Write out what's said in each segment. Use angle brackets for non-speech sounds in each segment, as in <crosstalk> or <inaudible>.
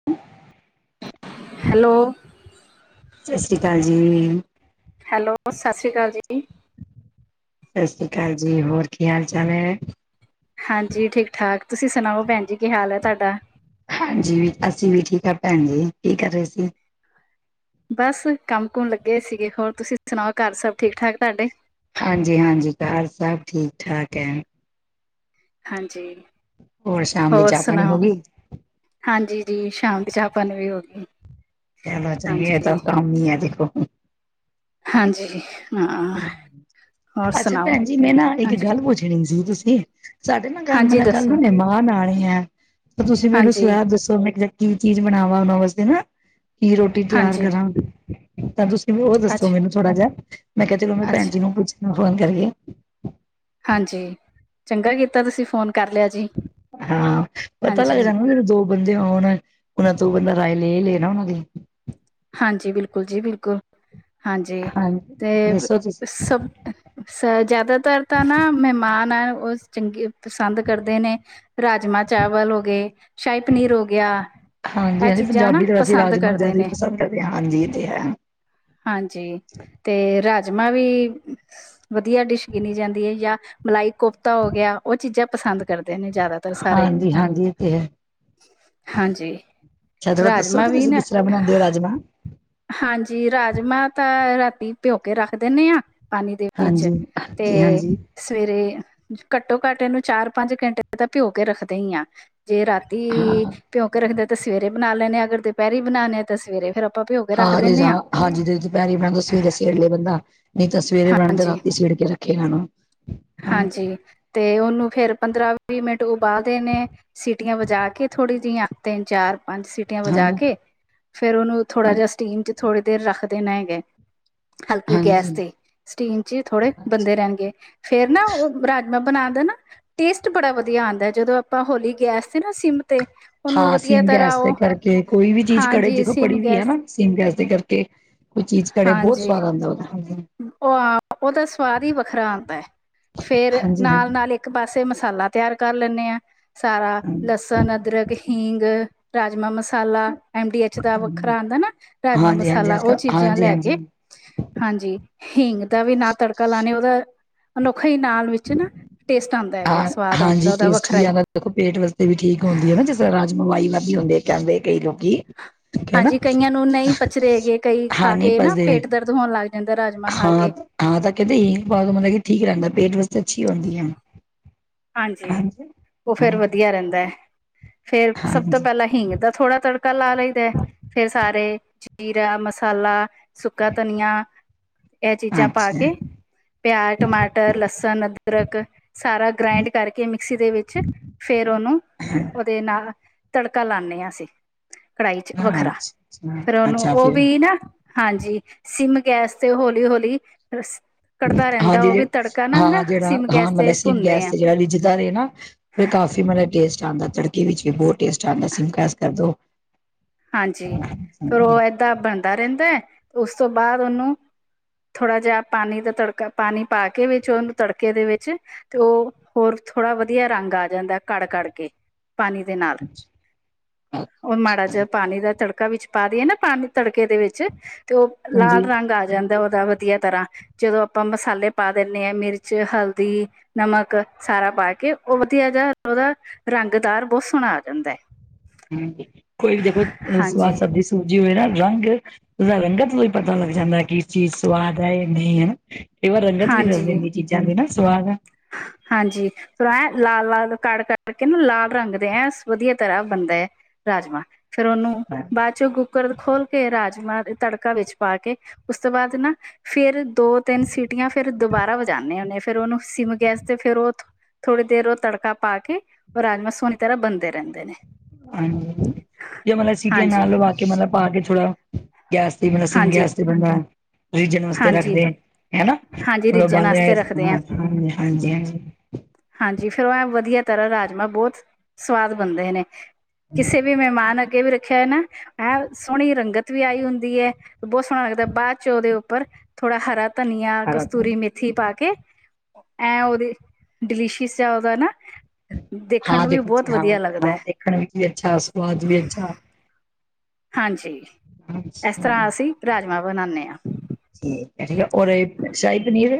<inaudible> <unintelligible> Hello, ਸਾਸਰੀਕਾਲ ਜੀ hello ਸਾਸਰੀਕਾਲ ਜੀ ਸਾਸਰੀਕਾਲ ਜੀ, ਹੋਰ ਕੀ ਹਾਲ ਚਾਲ ਹੈ? ਹਾਂਜੀ, ਠੀਕ- ਠਾਕ ਤੁਸੀਂ ਸੁਣਾਓ ਭੈਣ ਜੀ ਕੀ ਹਾਲ ਹੈ ਤੁਹਾਡਾ? ਹਾਂਜੀ, ਅਸੀਂ ਵੀ ਠੀਕ ਹਾਂ ਭੈਣ ਜੀ, ਕੀ ਕਰ ਰਹੇ ਸੀ ਬਸ ਕੰਮ- ਕੁਮ ਲੱਗੇ ਸੀਗੇ। ਹੋਰ ਤੁਸੀਂ ਸੁਣਾਓ ਘਰ ਸਭ ਠੀਕ- ਠਾਕ ਤੁਹਾਡੇ? ਹਾਂਜੀ ਹਾਂਜੀ ਘਰ ਸਭ ਠੀਕ ਠਾਕ ਹੈ। ਹਾਂਜੀ ਸ਼ਾਮ ਦੀ ਹੋਰ ਚਾਹ ਪਾਣੀ ਹੋ ਸੁਣਾਓ ਗਈ? ਹਾਂਜੀ ਜੀ ਸ਼ਾਮ ਚਾਹ ਪਾਣੀ ਵੀ ਹੋ ਗੀ ਚਲੋ ਚੰਗੇ ਹੈ ਤਾਂ ਕੰਮ ਹੀ ਹੈ ਦੇਖੋ। ਹਾਂਜੀ ਹਾਂ ਹੋਰ ਅੱਛਾ ਸੁਣਾਓ ਭੈਣ ਜੀ ਮੈਂ ਨਾ ਇੱਕ ਹਾਂਜੀ ਗੱਲ ਪੁੱਛਣੀ ਸੀ, ਤੁਸੀਂ ਸਾਡੇ ਨਾ ਕੱਲ ਹਾਂਜੀ ਮਤਲਬ ਕੱਲ ਦੱਸੋ ਮਹਿਮਾਨ ਆ ਰਹੇ ਹੈ ਤੁਸੀਂ ਮੈਨੂੰ ਹਾਂਜੀ ਸਲਾਹ ਦੱਸੋ ਮੈ ਕੀ ਵੇ ਕੀ ਚੀਜ਼ ਬਣਾਵਾ ਉਹਨਾਂ ਵਾਸਤੇ ਨਾ ਕੀ ਰੋਟੀ ਰੋਟੀ ਤਿਆਰ ਹਾਂਜੀ ਕਰਾਂ, ਤਾਂ ਤੁਸੀਂ ਵੀ ਉਹ ਦੱਸੋ ਅੱਛਾ ਮੈਨੂੰ ਥੋੜਾ ਜਿਹਾ, ਮੈਂ ਕਿਹਾ ਚਲੋ ਭੈਣ ਅੱਛਾ ਜੀ ਨੂੰ ਪੁੱਛ ਫੋਨ ਕਰਿਏ। ਹਾਂਜੀ। ਚੰਗਾ ਕੀਤਾ ਤੁਸੀਂ ਫੋਨ ਕਰ ਲਿਆ ਜੀ। ਹਾਂ। ਪਤਾ ਲੱਗ ਹਾਂਜੀ ਜਾਂਦਾ ਨਾ, ਦੋ ਬੰਦੇ ਹੋਣ, ਉਹਨਾਂ ਤੋਂ ਬੰਦਾ ਰਾਏ ਲੈ ਲਏ ਨਾ ਉਹਨਾਂ ਦੀ। ਹਾਂਜੀ। ਬਿਲਕੁਲ ਜੀ, ਬਿਲਕੁਲ। ਹਾਂਜੀ ਤੇ ਦੱਸੋ ਤੁਸੀਂ ਸਭ ਸ ਜ਼ਿਆਦਾਤਰ ਤਾਂ ਨਾ ਮਹਿਮਾਨ ਆ ਉਹ ਚੰਗੀ ਪਸੰਦ ਕਰਦੇ ਨੇ। ਰਾਜਮਾਂ ਚਾਵਲ ਹੋ ਗਏ, ਸ਼ਾਹੀ ਪਨੀਰ ਹੋ ਗਿਆ। ਹਾਂਜੀ ਇਹ ਹਾਂਜੀ ਚੀਜ਼ਾਂ ਨਾ ਪੰਜਾਬੀ ਤਾਂ ਵੈਸੇ ਪਸੰਦ ਰਾਜਮਾਂ ਕਰਦੇ ਜ਼ਿਆਦਾ ਹੀ ਨੇ। ਪਸੰਦ ਹਾਂਜੀ ਇਹ ਤੇ ਹੈ। ਹਾਂਜੀ। ਤੇ ਰਾਜਮਾਂ ਵੀ ਵਧੀਆ ਡਿਸ਼ ਗਿਨੀ ਜਾਂਦੀ ਏ ਜਾਂ ਮਲਾਈ ਕੋਫ ਤਾ ਹੋ ਗਿਆ। ਉਹ ਚੀਜ਼ਾਂ ਪਸੰਦ ਕਰਦੇ ਨੇ ਜ਼ਿਆਦਾ ਤਰ ਸਾ ਹਾਂਜੀ-ਹਾਂਜੀ, ਇਹ ਤੇ ਹੈ। ਹਾਂਜੀ, ਅੱਛਾ ਥੋੜਾ ਦੱਸੋ ਰਾਜਮਾਂ ਕਿ ਵੀ ਤੁਸੀਂ ਨਾ ਕਿਸ ਤਰ੍ਹਾਂ ਬਣਾਉਂਦੇ ਹੋ ਰਾਜਮਾਂ ਹਾਂਜੀ ਰਾਜਮਾਂ ਤਾਂ ਰਾਤੀ ਪਿਓਕੇ ਰੱਖ ਦਿੰਦੇ ਆ ਪਾਣੀ ਦੇ ਹਾਂਜੀ ਵਿੱਚ ਹਾਂਜੀ ਤੇ ਹਾਂਜੀ ਸਵੇਰੇ ਘੱਟੋ ਘੱਟ ਇਹਨੂੰ ਚਾਰ ਪੰਜ ਘੰਟੇ ਤਾਂ ਭਿਓ ਕੇ ਰੱਖਦੇ ਹੀ ਆ ਜੇ ਰਾਤ ਹਾਂ ਭਿਉਂਕੇ ਰੱਖਦੇ ਤੇ ਸਵੇਰੇ ਬਣਾ ਲੈਣੇੇ ਅਗਰ ਦੁਪਹਿਰੀ ਬਣਾਣੇ ਆ ਤਾਂ ਸਵੇਰੇ ਫੇਰ ਆਪਾ ਭਿਉਂ ਕੇ ਰੱਖ ਹਾਂ ਦਿੰਨੇ ਹ ਆ ਹਾਂਜੀ ਜੇ ਦੁਪਹਿਰੇ ਬਣਾਣ ਸਵੇਰੇ ਸੇੜ ਲਿਆ ਬੰਦਾ ਨਹੀਂ ਤਾਂ ਸਵੇਰੇ ਬਣਦਾ ਹਾਂਜੀ ਰਾਤੀ ਸੇੜ ਕੇ ਰੱਖ <inaudible> ਹਾਂਜੀ ਤੇ ਉਹਨੂੰ ਫੇਰ ਪੰਦਰਾਂ ਵੀਹ ਮਿੰਟ ਉਬਾਲ ਦੇ ਨੇ ਸੀਟੀਆਂ ਵਜਾ ਕੇ ਥੋੜੀ ਜਿਹੀਆਂ ਤਿੰਨ ਚਾਰ ਪੰਜ ਸੀ ਸੀਟੀਆਂ ਵਜਾ ਹਾਂਜੀ ਕੇ ਫ਼ੇਰ ਉਹਨੂੰ ਥੋੜਾ ਜਿਹਾ ਸਟੀਮ ਚ ਥੋੜੀ ਦੇਰ ਰੱਖ ਦੇਣਾ ਹੈਗੇ ਹਲਕੀ ਗੈਸ ਹਾਂਜੀ ਤੇ ਸਟੀਮ ਚ ਥੋੜੇ ਹਾਂਜੀ ਬੰਦੇ ਰਹਿਣਗੇ ਫੇਰ ਨਾ ਉਹ ਰਾਜਮਾਂ ਬਣਾ ਦੇਣਾ ਟੇਸਟ ਬੜਾ ਵਧੀਆ ਆਉਂਦਾ ਹੈ ਜਦੋਂ ਆਪਾਂ ਹੋਲੀ ਗੈਸ ਤੇ ਨਾ ਸਿੰਮ ਤੇ ਉਹਨੂੰ ਹਾਂ ਵਧੀਆ ਸੀਮ ਤਰ੍ਹਾਂ ਗੈਸ ਦੇ ਉਹ ਕਰਕੇ ਕੋਈ ਵੀ ਚੀਜ਼ ਘੜੇ ਹਾਂਜੀ ਜਿੱਥੋਂ ਸਿਮ ਕੜੀ ਵੀ ਹੈ ਗੈਸ ਸੀਮ ਗੈਸ ਦੇ ਕਰਕੇ ਕੋਈ ਚੀਜ਼ ਘੜੇ ਬਹੁਤ ਹਾਂਜੀ ਸਵਾਦ ਆਉਂਦਾ ਉਹਦਾ ਹ ਉਹ ਉਹਦਾ ਸਵਾਦ ਹੀ ਵੱਖਰਾ ਆਉਂਦਾ ਹੈ ਫੇਰ ਹਾਂਜੀ ਨਾਲ ਨਾਲ ਇੱਕ ਇੱਕ ਪਾਸੇ ਮਸਾਲਾ ਤਿਆਰ ਕਰ ਲੈਂਦੇ ਆ ਸਾਰਾ ਹਾਂਜੀ ਲਸਣ, ਅਦਰਕ, ਹਿੰਗ ਰਾਜਮਾਂ ਮਸਾਲਾ ਐਮ ਡੀ ਐਚ ਦਾ ਵੱਖਰਾ ਆਉਂਦਾ ਨਾ ਰਾਜਮਾਂ ਹਾਂਜੀ ਹਾਂਜੀ ਮਸਾਲਾ ਅੱਜ ਉਹ ਕੱਲ ਚੀਜ਼ਾਂ ਹਾਂਜੀ ਲੈ ਹਾਂਜੀ ਕੇ ਹਾਂਜੀ ਹਿੰਗ ਦਾ ਵੀ ਨਾ ਤੜਕਾ ਲਾਣੇ ਉਹਦਾ ਅਨੋਖਾ ਹੀ ਨਾਲ ਵਿੱਚ ਨਾ <inaudible> ਹਾਂ ਸਵਾਦ ਹਾਂਜੀ ਆਉਂਦਾ ਉਹਦਾ ਟੇਸਟ ਵੱਖਰਾ ਵੀ ਹੀ ਆਦਾ ਦੇਖੋ ਪੇਟ ਵਾਸਤੇ ਵੀ ਠੀਕ ਹੁੰਦੀ ਹੈ ਨਾ ਰਾਜਮਾ ਵਾਈ ਵਾਧ ਹੁੰਦੇ ਆ ਕਹਿੰਦੇ ਕਈ ਲੋਕੀ ਹਨਾ ਹਾਂਜੀ ਕਈਆਂ ਨੂੰ ਨਹੀਂ ਪਚਦੇ ਹੈਗੇ ਕਈ ਹਾਂ ਖਾ ਨਹੀਂ ਕੇ ਨਾ ਪਚਦੇ ਪੇਟ ਦਰਦ ਹੋਣ ਲੱਗ ਜਾਂਦਾ ਰਾਜਮ ਖਾ ਹਾਂ ਕੇ ਹਾਂ ਤਾਂ ਕਹਿੰਦੇ ਹਿੰਗ ਪਾਗ ਮਤਲਬ ਠੀਕ ਰਹਿਣਦਾ ਪੇਟ ਵਾਸਤੇ ਅੱਛੀ ਹੁੰਦੀ ਆ ਹਾਂਜੀ ਉਹ ਫੇਰ ਵਧੀਆ ਰਹਿੰਦਾ ਹੈ ਫੇਰ ਸਭ ਤੋਂ ਹਾਂਜੀ ਹਾਂਜੀ ਪਹਿਲਾਂ ਹਿੰਗ ਦਾ ਥੋੜਾ ਤੜਕਾ ਲਾ ਲਈਦਾ ਫੇਰ ਸਾਰੇ ਜੀਰਾ, ਮਸਾਲਾ, ਸੁੱਕਾ ਧਨੀਆ ਇਹ ਚੀਜ਼ਾਂ ਪਾ ਅੱਛਾ ਕੇ ਪਿਆਜ, ਟਮਾਟਰ, ਲਸਣ, ਅਦਰਕ ਸਾਰਾ ਗ੍ਰਾਇੰਡ ਕਰਕੇ ਮਿਕਸੀ ਦੇ ਵਿੱਚ ਫੇਰ ਉਹਨੂੰ ਹਾਂ ਉਹਦੇ ਨਾਲ ਤੜਕਾ ਲਾਉਦੇ ਹਾਂ ਅਸੀ ਕੜਾਹੀ ਚ ਅੱਛਾ ਵੱਖਰਾ ਫੇਰ ਅੱਛਾ ਉਹਨੂੰ ਅੱਛਾ ਉਹ ਫਿਰ ਵੀ ਨਾ ਹਾਂਜੀ ਸਿੰਮ ਗੈਸ ਤੇ ਹੌਲੀ ਹੌਲੀ ਕੜਦਾ ਰਹਿੰਦਾ ਹਾਂਜੀ ਉਹ ਵੀ ਤੜਕਾ ਨਾ ਨਾ ਹਾਂ ਜਿਹੜਾ ਸਿਮ ਗੈਸ ਹਾਂ ਤੇ ਮਲਸੀਅਮ ਭੁੰਨਦੇ ਗੈਸ ਆ ਤੇ ਜਿਹੜਾ ਲ ਦਾ ਰਹੇਗਾ ਨਾ ਕਾਫੀ ਮਤਲਬ ਟੇਸਟ ਆਉਂਦਾ ਤੜਕੇ ਵਿੱਚ ਵੀ ਬਹੁਤ ਟੇਸਟ ਆਉਂਦਾ ਮੈਸ ਕਰਦੋ ਹਾਂਜੀ ਫਿਰ ਉਹ ਏਦਾਂ ਬਣਦਾ ਰਹਿੰਦਾ ਹੈ ਉਸ ਤੋਂ ਬਾਅਦ ਉਹਨੂੰ ਥੋੜ੍ਹਾ ਜਿਹਾ ਪਾਣੀ ਦਾ ਤੜਕਾ ਪਾਣੀ ਪਾ ਕੇ ਵਿੱਚ ਉਹਨੂੰ ਤੜਕੇ ਦੇ ਵਿੱਚ ਤੇ ਉਹ ਹੋਰ ਥੋੜ੍ਹਾ ਵਧੀਆ ਰੰਗ ਆ ਜਾਂਦਾ ਕੜ ਕੜ ਕੇ ਪਾਣੀ ਦੇ ਨਾਲ ਉਹ ਮਾੜਾ ਜਿਆ ਪਾਣੀ ਦਾ ਤੜਕਾ ਵਿੱਚ ਪਾ ਦੀਏ ਨਾ ਪਾਣੀ ਤੜਕੇ ਦੇ ਵਿੱਚ ਤੇ ਉਹ ਹਾਂਜੀ। ਲਾਲ ਰੰਗ ਆ ਜਾਂਦਾ ਉਹਦਾ ਵ ਵਧੀਆ ਤਰ੍ਹਾਂ ਜਦੋਂ ਆਪਾਂ ਮਸਾਲੇ ਪਾ ਦਿੰਦੇ ਹਾਂ ਮਿਰਚ, ਹਲਦੀ ਨਮਕ ਸਾਰਾ ਪਾ ਕੇ ਉਹ ਵਧੀਆ ਜਿਹਾ ਉਹਦਾ ਰੰਗਦਾਰ ਬਹੁਤ ਸੋਹਣਾ ਆ ਜਾਂਦਾ ਹੈ। ਹਮ ਕੋਈ ਵੀ ਦੇਖੋ ਸਵਾਦ ਹਾਂਜੀ ਸਬਜੀ ਸੂਜੀ ਹੋਏ ਨਾ ਰੰਗ ਉਹਦਾ ਰੰਗਤ ਹੀ ਪਤਾ ਲੱਗ ਜਾਂਦਾ ਕਿ ਇਸ ਚੀਜ਼ ਸਵਾਦ ਹੈ ਨਹੀਂ ਹਨਾ ਕਈ ਵਾਰ ਰੰਗਤ ਵੀ ਦੱਸ ਹਾਂਜੀ ਦਿੰਦੀ ਚੀਜ਼ਾਂ ਦੇ ਨਾ ਸਵਾਦ ਆ। ਹਾਂਜੀ। ਲਾਲ ਲਾਲ ਕੜ ਕੜ ਕੇ ਨਾ ਲਾਲ ਰੰਗਦੇ ਹੈ ਵਧੀਆ ਤਰ੍ਹਾਂ ਬਣਦਾ ਹੈ। ਰਾਜਮਾਂ ਫੇਰ ਉਹਨੂੰ ਹੈ। ਬਾਅਦ ਚੋਂ ਗੁ ਕੁੱਕਰ ਖੋਲ ਕੇ ਰਾਜਮਾਂ ਤੜਕਾ ਵਿੱਚ ਪਾ ਕੇ ਉਸ ਤੋਂ ਬਾਅਦ ਨਾ ਫੇਰ ਦੋ-ਤਿੰਨ ਸੀਟੀਆਂ ਫੇਰ ਦੁਬਾਰਾ ਵਜਾਂਦੇ ਹੁੰਦੇੇ, ਫਿਰ ਉਹਨੂੰ ਸਿਮ ਗੈਸ ਤੇ ਫੇਰ ਉਹ ਥੋੜ੍ਹੀ ਦੇਰ ਉਹ ਤੜਕਾ ਪਾ ਕੇ, ਉਹ ਰਾਜਮਾ ਸੋਹਣੀ ਤਰ੍ਹਾਂ ਬਣਦੇ ਰਹਿੰਦੇ ਨੇਂ ਹਾਂਜੀ ਜਾਂ ਮਤਲਬ ਸਿਟੀ ਦਾ ਹਾਂਜੀ ਨਾਲ ਲ ਵਕ ਮਤਲਬ ਪਾ ਕੇ ਥੋੜਾ ਗੈਸ ਤੇ ਸਿਮ ਹਾਂਜੀ ਗੈਸ ਤੇ ਬਣਿਆ। ਰਿਜਨ ਵਾਸਤੇ ਹਾਂਜੀ ਰੱਖਦੇ ਹਨਾਂ। ਹਾਂਜੀ ਬ ਰਿੱਝਣ ਆਸਤੇ <unintelligible> ਰੱਖਦੇ ਆ ਹਾਜੀ, ਹਾਜੀ। ਹਾਂਜੀ ਫੇਰ ਉਹ ਐ ਵਧੀਆ ਤਰ੍ਹਾਂ ਰਾਜਮਾਂ ਬਹੁਤ ਸਵਾਦ ਬਣਦੇ ਨੇਂ, ਕਿਸੇ ਵੀ ਮਹਿਮਾਨ ਅੱਗ ਅੱਗੇ ਵੀ ਰੱਖਿਆ ਹੈ ਨਾ ਹੈਂ ਸੋਹਣੀ ਰੰਗਤ ਵੀ ਆਈ ਹੁੰਦੀ ਹੈ ਬਹੁਤ ਸੋਹਣਾ ਲਗਦਾ ਬਾਅਦ ਚ ਉਹਦੇ ਉੱਪਰ ਥੋੜ੍ਹਾ ਹਰਾ ਧਨੀਆ, ਹਾਂਜੀ ਕਸਤੂਰੀ ਮੇਥੀ ਪਾ ਕੇ ਐ ਉਹਦੀ ਡਿਲੀਸ਼ੀਅਸ ਜਿਆ ਉਹਦਾ ਨਾਂ ਦੇਖਣ ਨੂੰ ਵੀ ਬਹੁਤ ਵਧੀਆ ਲੱਗਦਾ ਐ। ਰਗ ਵੀ ਅੱਛਾ ਸਵਾਦ ਵੀ ਅੱਛਾ। ਹਾਂਜੀ, ਇਸ ਅੱਛਾ ਤਰ੍ਹਾਂ ਅਸੀਂ ਰਾਜਮਾਂ ਬਣਾਣੇ ਆਂ। ਠੀਕ ਏ, ਔਰ ਸ਼ਾਹੀ ਪਨੀਰ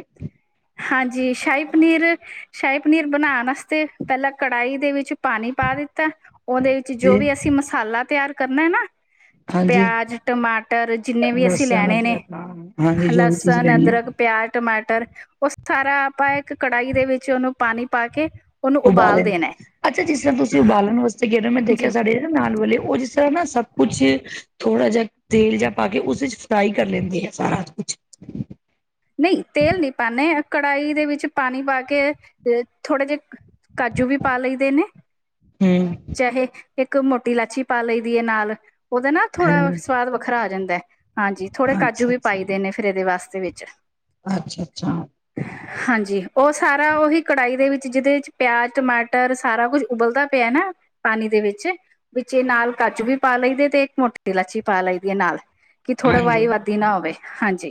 ਹਾਂਜੀ, ਸ਼ਾਹੀ ਪਨੀਰ, ਸ਼ਾਹੀ ਪਨੀਰ ਬਣਾਣ ਵਾਸਤੇ ਪਹਿਲਾਂ ਕੜਾਹੀ ਦੇ ਵਿੱਚ ਪਾਣੀ ਪਾ ਦਿੱਤਾ ਉਹਦੇ ਵਿੱਚ ਜੋ ਜੀ ਵੀ ਅਸੀਂ ਮਸਾਲਾ ਤਿਆਰ ਕਰਨਾ ਨਾਂ <unintelligible> ਪਿਆਜ, ਟਮਾਟਰ ਜਿੰਨੇ ਵੀ ਅਸੀਂ ਲਸਣ ਲੈਣੇ ਨੇਂ ਅਦਰਕ ਹਾਂ ਹਾਂਜੀ ਜੋ ਵੀ ਚੀਜ਼ ਲਸਣ, ਲੈਣੀ ਆ ਅਦਰਕ ਪਿਆਜ, ਟਮਾਟਰ ਉਹ ਸਾਰਾ ਆਪਾਂ ਇੱਕ ਕੜਾਹੀ ਦੇ ਵਿੱਚ ਉਹਨੂੰ ਪਾਣੀ ਪਾ ਕੇ ਉਹਨੂੰ ਉਬਾਲੇ ਉਬਾਲ ਨੇਂ। ਦੇਣਾ ਹੈ ਅੱਛਾ ਜਿਸ ਤਰ੍ਹਾਂ ਤੁਸੀਂ ਉਬਾਲਣ ਵਾਸਤੇ ਕਹਿ ਰਹੇ ਹੋ ਮੈਂ ਜੀ ਦੇਖਿਆ ਸਾਡੇ ਨਾਲ ਵਾਲੇ ਉਹ ਜਿਸ ਤਰ੍ਹਾਂ ਨਾ ਸਭ ਕੁਛ ਥੋੜਾ ਜਿਹਾ ਤੇਲ ਜਿਆ ਪਾ ਕੇ ਉਸਦੇ ਚ ਫਰਾਈ ਕਰ ਲੈਂਦੇ ਆ ਸਾਰਾ ਕੁਛ ਨਈਂ ਤੇਲ ਨਈਂ ਪਾਣਾ। ਕੜਾਹੀ ਦੇ ਵਿੱਚ ਪਾਣੀ ਪਾ ਕੇ ਅ ਥੋੜ੍ਹੇ ਜਿਹੇ ਕਾਜੂ ਵੀ ਪਾ ਲਈਦੇ ਨੇਂ ਹਂ ਚਾਹੇ ਇੱਕ ਮੋਟੀ ਲਾਚੀ ਪਾ ਲਈ ਦੀ ਐ ਨਾਲ ਉਹਦਾ ਨਾਂ ਥੋੜਾ ਹੂੰ ਸਵਾਦ ਵੱਖਰਾ ਆ ਜਾਂਦਾ, ਹਾਂਜੀ ਥੋੜੇ ਕਾਜੂ ਅੱਛਾ ਵੀ ਅੱਛਾ ਪਾਈ ਦੇਣੇ ਫਿਰ ਇਹਦੇ ਵਾਸਤੇ ਵਿੱਚ ਅੱਛਾ, ਅੱਛਾ। ਹਾਂਜੀ, ਉਹ ਸਾਰਾ ਉਹੀ ਕੜਾਹੀ ਦੇ ਵਿੱਚ ਜਿਹਦੇ ਵਿੱਚ ਪਿਆਜ਼, ਟਮਾਟਰ ਸਾਰਾ ਕੁਝ ਉਬਲਦਾ ਪਿਆ ਨਾਂ ਪਾਣੀ ਦੇ ਵਿੱਚ, ਵਿੱਚੇ ਨਾਲ ਕਾਜੂ ਵੀ ਪਾ ਲਈਦੇ ਤੇ ਇੱਕ ਮੋਟੀ ਇਲਾਚੀ ਪਾ ਲਈਦੀ ਐ ਨਾਲ ਕਿ ਥੋੜੇ ਹਾਂਜੀ ਵਾਹੀ ਵਾਦੀ ਨਾਂ ਹੋਵੇ, ਹਾਂਜੀ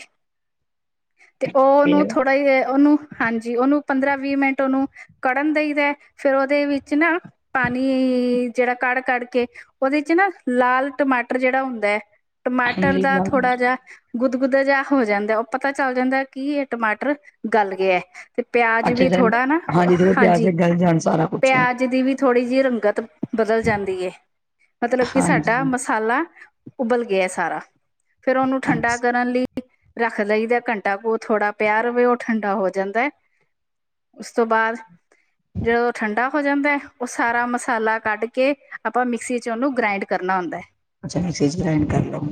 ਤੇ ਉਹਨੂੰ ਫੇਰ ਥੋੜੇ <unintelligible> ਉਹਨੂੰ ਹਾਂਜੀ, ਉਹਨੂੰ ਪੰਦਰਾਂ- ਵੀਹ ਮਿੰਟ ਉਹਨੂੰ ਕੜਨ ਦਈ ਦਾ ਫੇਰ ਉਹਦੇ ਵਿੱਚ ਨਾਂ <unintelligible> ਜਿਹੜਾ ਕੜ-ਕੱੜ ਕੇ ਉਹਦੇ ਚ ਨਾ ਲਾਲ ਟਮਾਟਰ ਜਿਹੜਾ ਹੁੰਦਾ ਟਮਾਟਰ ਹਾਂਜੀ ਦਾ ਥੋੜਾ ਜਿਹਾ ਗੁਦ, ਗੁਦਾ ਜਿਹਾ ਹੋ ਜਾਂਦਾ, ਉਹ ਪਤਾ ਚੱਲ ਜਾਂਦਾ ਕੀ ਇਹ ਟਮਾਟਰ ਗਲ ਗਿਆ। ਤੇ ਪਿਆਜ ਅੱਛਾ ਵੀ ਜ ਥੋੜ੍ਹਾ ਨਾਂ ਉਹ ਥੋੜੇ ਪਿਆਜ ਹਾਂਜੀ ਗਲ ਜਾਣ ਸਾਰਾ ਕੁਛ ਪਿਆਜ ਦੀ ਵੀ ਥੋੜ੍ਹੀ ਜਿਹੀ ਰੰਗਤ ਬਦਲ ਜਾਂਦੀ ਐ। ਮਤਲਬ ਕਿ ਸਾਡਾ ਹਾਂਜੀ ਮਸਾਲਾ ਉਬਲ ਗਿਆ ਸਾਰਾ ਫੇਰ ਉਹਨੂੰ ਠੰਡਾ ਕਰਨ ਲਈ ਰੱਖ ਲਈਦਾ ਘੰਟਾ ਕੁੂ ਥੋੜਾ ਪਿਆ ਰਵੇ ਉਹ ਠੰਡਾ ਹੋ ਜਾਂਦਾ। ਉਸ ਤੋਂ ਬਾਅਦ ਜਿਹੜਾ ਠੰਡਾ ਹੋ ਜਾਂਦਾ ਐ ਉਸ ਸਾਰਾ ਮਸਾਲਾ ਕੱਢ ਕੇ, ਆਪਾਂ ਮਿਕਸੀ ਚ ਉਹਨੂੰ ਗ੍ਰਾਇੰਡ ਕਰਨਾ ਹੁੰਦਾ। ਅੱਛਾ ਮਿਕਸੀ ਗਰਾਇੰਡ ਕਰ ਲੋ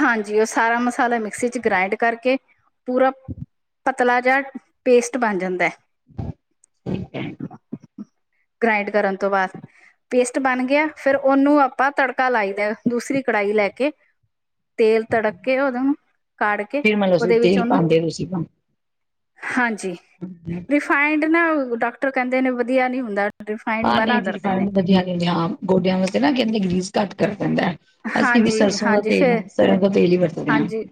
ਹਾਂਜੀ ਉਹ ਸਾਰਾ ਮਸਾਲਾ ਮਿਕਸੀ ਚ ਗ੍ਰਾਇੰਡ ਕਰਕੇ ਪੂਰਾ ਪਤ ਪਤਲਾ ਜਿਹਾ ਪੇਸਟ ਬਣ ਜਾਂਦਾ। <unintelligible> <unintelligible> ਗ੍ਰਾਇੰਡ ਕਰਨ ਤੋਂ ਬਾਅਦ ਪੇਸਟ ਬਣ ਗਿਆ, ਫਿਰ ਉਹਨੂੰ ਆਪਾਂ ਤੜਕਾ ਲਾਈ ਦਾ ਦੂਸਰੀ ਕੜਾਹੀ ਲੈ ਕੇ। ਤੇਲ ਤੜਕ ਕੇ ਉਹਦੋਂ ਕਾੜ ਕੇ ਫਿਰ ਮਤਲਬ ਤੁਸੀਂ ਉਹਦੇ ਵਿੱਚ ਤੇਲ ਉਹਨੂੰ ਪਾਉਂਦੇ ਹੋ ਤੁਸੀਂ ਹਾਂਜੀ। <unintelligible> ਰਿਫਾਇੰਡ ਨਾਂ ਡਾਕਟਰ ਕਹਿੰਦੇ ਨੇਂ ਵਧੀਆ ਨੀਂ ਹੁੰਦਾ ਰਿਫਾਇੰਡ ਹਾਂ ਨਈਂ ਮਨਾ ਜੀ, ਕਰਦੇ ਨੇ ਰਿਫਾਇੰਡ ਵਧੀਆ <unintelligible> ਹਾਂ ਗੋਡਿਆਂ ਵਾਸਤੇ ਨਾਂ ਕਹਿੰਦੇ ਗ੍ਰਰੀਸ ਘੱਟ ਕਰ ਦੈਂਦਾ ਐ, ਅਸੀਂ ਵੀ ਹਾਂਜੀ ਸਰਸੋਂ ਦਾ ਹਾਂਜੀ ਤੇਲ ਫਿਰ ਸਰੋਂ ਦਾ ਤੇਲ ਹੀ ਵਰਤਦੇਆਂ। ਹਾਂਜੀ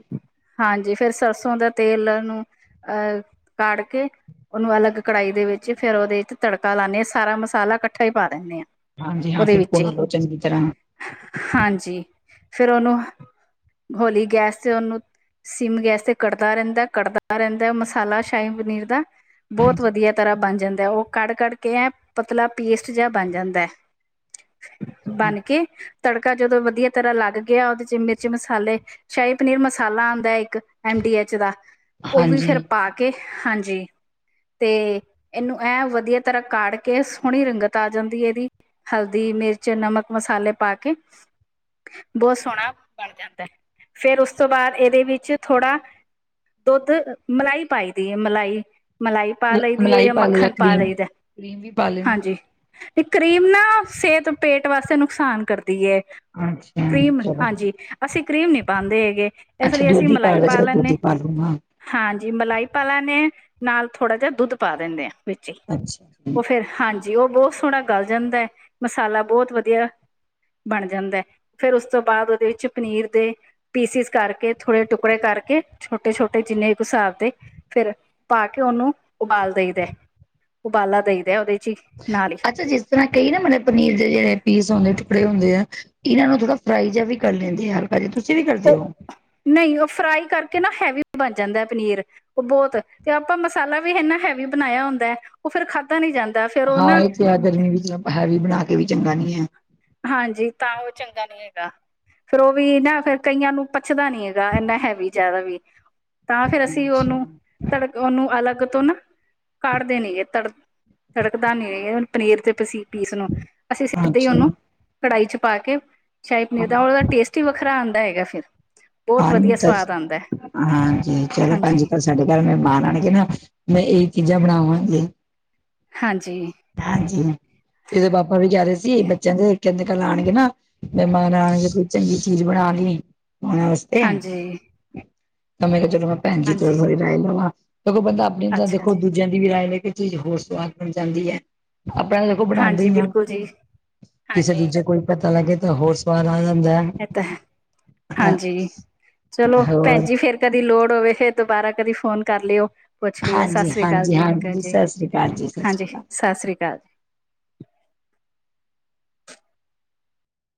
ਹਾਂਜੀ ਫੇਰ ਸਰਸੋਂ ਦਾ ਤੇਲ ਨੂੰ ਅਹ ਕਾੜ ਕੇ, ਉਹਨੂੰ ਅਲੱਗ ਕੜਾਹੀ ਦੇ ਵਿੱਚ ਫੇਰ ਉਹਦੇ ਵਿੱਚ ਤੜਕਾ ਲਾਂਦੇ ਹਾਂ ਸਾਰਾ ਮਸਾਲਾ ਇਕੱਠਾ ਹੀ ਪਾ ਦਿੰਦੇ ਹਾਂ। ਹਾਂਜੀ, ਹਾਂ ਉਹਦੇ ਫਿਰ ਵਿੱਚ ਪੁਨ ਹੀ ਲੋ ਚੰਗੀ ਤਰ੍ਹਾਂ, ਹਾਂਜੀ ਫੇਰ ਉਹਨੂੰ ਹੋਲੀ ਗੈਸ ਤੇ ਉਹਨੂੰ ਸਿਮ ਗੈਸ ਤੇ ਕੱੜਦਾ ਰਹਿੰਦਾ ਕੱੜਦਾ ਰਹਿੰਦਾ ਮਸਾਲਾ ਸ਼ਾਹੀ ਪਨੀਰ ਦਾ। ਬਹੁਤ ਵਧੀਆ ਹਾਂਜੀ ਤਰ੍ਹਾਂ ਬਣ ਜਾਂਦਾ, ਉਹ ਕੱੜ -ਕੱੜ ਕੇ ਐ ਪਤਲਾ ਪੈਸਟ ਜਿਹਾ ਬਣ ਜਾਂਦਾਂ ਬਨ ਕੇ ਤੜਕਾ ਜਦੋਂ ਵਧੀਆ, ਤਰ੍ਹਾਂ ਲੱਗ ਗਿਆ ਉਹਦੇ ਚ ਮਿਰਚ ਮਸਾਲੇ ਸ਼ਾਹੀ ਪਨੀਰ ਮਸਾਲਾ ਆਦਾ, ਇੱਕ ਐਮ ਡੀ ਐਚ ਦਾ ਉਹ ਵੀ ਹਾਂਜੀ ਫੇਰ ਪਾ ਕੇ, ਕੇ ਹਾਂਜੀ, ਤੇ ਇਹਨੂੰ ਐ ਵਧੀਆ ਤਰ੍ਹਾਂ ਕਾੜ ਕੇ ਸੋਹਣੀ ਰੰਗਤ ਆ ਜਾਂਦੀ ਇਹਦੀ, ਹਲਦੀ ਮਿਰਚ ਨਮਕ ਮਸਾਲੇ ਪਾ ਕੇ, ਬਹੁਤ ਸੋਹਣਾ ਬਣ ਜਾਂਦਾ ਹੈ, ਫੇਰ ਉਸ ਤੋਂ ਬਾਅਦ ਇਹਦੇ ਵਿੱਚ ਥੋੜ੍ਹਾ, ਦੁੱਧ ਮਲਾਈ ਪਾਈ ਦੀ ਹੈ ਮਲਾਈ, ਮਲਾਈ ਪਾ ਲਈ ਦੀ ਹੈ, ਮਲਾਈ ਜਾਂ ਲੋ ਮੱਖਣ ਪਾ ਕਰੀਮ ਲਈਦਾ ਕਰੀਮ ਵੀ ਪਾ ਲੈਂਦੇ ਹਾਂਜੀ। ਤੇ ਕਰੀਮ ਨਾ ਸਿਹਤ ਪੇਟ ਵਾਸਤੇ ਨੁਕਸਾਨ ਕਰਦੀ ਏ ਅੱਛਾ ਕਰੀਮ ਚਲੋ ਹਾਂਜੀ ਅਸੀਂ ਕਰੀਮ ਨੀ ਪਾਦੇ ਹੈਗੇ ਇਸ ਅੱਛਾ ਲਈ ਅਸੀਂ ਦੁੱਧ ਹੀ ਮਲਾਈ ਲੋ ਪਾ ਚਲੋ ਦੁੱਧ ਲੈਂਦੇ, ਹੀ ਪਾ ਲੂੰਗਾ ਹਾਂਜੀ ਮਲਾਈ ਪਾ ਲੈਂਦੇ ਹਾਂ ਨਾਲ ਥੋੜ੍ਹਾ ਜਿਹਾ ਦੁੱਧ ਪਾ ਦਿੰਦੇ ਆਾਂ ਵਿੱਚ ਹੀ, ਅੱਛਾ, ਉਹ ਫੇਿਰ ਹਾਂਜੀ ਉਹ ਬਹੁਤ ਸੋਹਣਾ ਗਲ ਜਾਂਦਾ ਹੈ, ਮਸਾਲਾ ਬਹੁਤ ਵਧੀਆ। ਬਣ ਜਾਂਦਾ ਹੈ, ਫੇਰ ਉਸ ਤੋਂ ਬਾਅਦ ਉਹਦੇ ਵਿੱਚ ਪਨੀਰ ਦੇ, ਪੀਸਿਸ ਕਰਕੇ ਥੋੜੇ ਟੁਕੜੇ ਕਰਕੇ ਛੋਟੇ ਛੋਟੇ ਜਿੰਨੇ ਕੁ ਹਿਸਾਬ ਦੇ, ਫੇਰ ਪਾ ਕੇ ਉਹਨੂੰ ਉਬਾਲ ਦੇਈ ਦ ਉਬਾਲਾ ਦੇਈ ਦ ਉਹਦੇ ਚ ਹੀ, ਨਾਲ ਹੀ ਅੱਛਾ ਜਿਸ ਤਰ੍ਹਾਂ ਕਈ ਨਾ ਮਤਲਬ ਪਨੀਰ ਦੇ ਜਿਹੜੇ ਪੀਸ ਹੁੰਦੇ ਟੁਕੜੇ ਹੁੰਦੇ ਆ। ਇਹਨਾਂ ਨੂੰ ਥੋੜਾ ਫਰਾਈ ਜਿਹਾ ਵੀ ਕਰ ਲੈਂਦੇ ਆ, ਹਲਕਾ ਜਿਹਾ ਤੁਸੀਂ ਵੀ ਕਰਦੇ ਉਹ ਹੋ। ਨਹੀਂ ਉਹ ਫਰਾਈ ਕਰਕੇ ਨਾ ਹੈਵੀ ਬਣ ਜਾਂਦਾ ਪਨੀਰ, ਉਹ ਬਹੁਤ ਤੇ ਆਪਾਂ ਮਸਾਲਾ ਵੀ ਇਨਾ ਹੈਵੀ ਬਣਾਇਆ ਹੁੰਦਾ। ਉਹ ਫੇਰ ਖਾਧਾ ਨੀ ਜਾਂਦਾ ਫੇਰ ਉਹ ਨਾ, ਹੈ ਵੀ ਬਣਾ ਕੇ ਵੀ ਚੰਗਾ ਨੀ ਹੈ। ਹਾਂਜੀ ਤਾਂ ਉਹ ਚੰਗਾ ਨੀ ਹੈਗਾ। ਫੇਰ ਉਹ ਵੀ ਨਾ ਫਿਰ ਕਈਆਂ ਨੂੰ ਪੱਚਦਾ ਨੀ ਹੈਗਾ ਇੰਨਾ ਹੈਵੀ, ਵੀ ਜ਼ਿਆਦਾ ਵੀ, ਤਾਂ ਫੇਰ ਅਸੀਂ ਉਹਨੂੰ ਅੱਛਾ ਤੜਕ ਉਹਨੂੰ ਅਲੱਗ ਤੋਂ ਨਾ ਕੱੜਦੇ ਨਹੀਂ ਤੜਕ ਤੜਕਦਾ ਨੀ ਹੁ ਪਨੀਰ ਤੇ ਪੀਸ ਪੀਸ ਨੂੰ, ਅਸੀਂ ਸਿੱਧੇ ਹੀ ਹਾਂਜੀ ਉਹਨੂੰ ਕੜਾਹੀ ਚ ਪਾ ਕੇ ਸ਼ਾਹੀ ਪਨੀਰ ਦਾ ਉਹਦਾ ਟੇਸਟ ਹੀ ਵੱਖਰਾ ਆਦਾ ਹੈਗਾ ਫਿਰ, ਬਹੁਤ ਵਧੀਆ ਸਵਾਦ ਆਂਦਾ ਹਾਂਜੀ-ਹਾਂਜੀ ਚਲੋ ਪੰਜ, ਹਾਂਜੀ ਸਾਡੇ ਘਰ ਮੈਂ ਮਹਿਮਾਨ ਆਣ ਗੇ ਨਾ ਮੈਂ ਇਹੀ ਚੀਜ਼ਾਂ ਬਣਾਵਾਂਗੇੇ। ਹਾਂਜੀ, ਹਾਂਜੀ ਇਹਦੇ ਪਾਪਾ ਵੀ ਕਹਿ ਰਹੇ ਸੀ, ਬੱਚਿਆਂ ਦੇ ਕਹਿੰਦੇ ਕੱਲ ਆਉਣਗੇ ਨਾ। <unintelligible> ਕੋਈ ਚੰਗੀ ਚੀਜ਼ ਬਣਾ ਲਈ ਉਹ ਵਾਸਤੇ, ਹਾਂਜੀ ਮੈਂ ਕਿਹਾ ਚਲੋ ਮੈਂ ਭੈਣ ਜੀ ਹਾਂਜੀ ਰਹਿ ਲਵਾਂ ਕੋਈ ਬੰਦਾ, ਤਾਂ ਅੱਛਾ ਦੇਖੋ ਜੀ ਦੂਜਿਆਂ ਦੀ ਵੀ ਰਾਏ ਲੈ ਕੇ ਚੀਜ਼ ਹੋਰ ਸਵਾਦ ਬਣ ਜਾਂਦੀ ਹੈ। ਆਪ ਵੀ ਦੇਖੋ ਬਣਾਦੇ ਹਾਂਜੀ ਈ ਹਾਂ ਬਿਲਕੁਲ ਜੀ ਕਿਸੇ ਹਾਂਜੀ ਦੂਜੇ ਕੋਈ। ਪਤਾ ਲੱਗੇ ਤਾਂ ਹੋਰ ਸਵਾਦ ਆ ਜਾਂਦਾ ਹੈ। ਇਹ ਤਾਂ ਹਾਂਜੀ ਚਲੋ ਭੈਣ ਹੋਰ ਜੀ ਫੇਰ ਕਦੀ ਲੋੜ ਹੋਵੇ ਫਿਰ ' ਦੁਬਾਰਾ ਕਦੀ ਫੋਨ ਕਰ ਲਿਓ ਪੁੱਛ ਲਿਓ ਸਤਿ ਹਾਂਜੀ ਸ੍ਰੀ ਅਕਾਲ ਹਾਂਜੀ ਜੀ ਹਾਂਜੀ ਜੀ ਸਤਿ ਸ੍ਰੀ ਅਕਾਲ ਜੀ ਸਤਿ ਸ੍ਰੀ ਹਾਂਜੀ ਅਕਾਲ ਸਤਿ ਸ੍ਰੀ ਅਕਾਲ ਜੀ